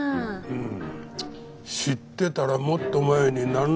うん。